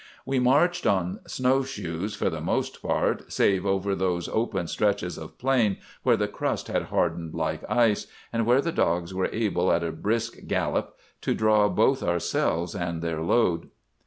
"We marched on snow shoes for the most part, save over those open stretches of plain where the crust had hardened like ice, and where the dogs were able, at a brisk gallop, to draw both ourselves and their load.